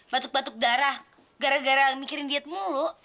batuk batuk darah gara gara mikirin diet mulu